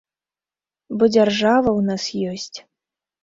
Бо дзяржава ў нас ёсць.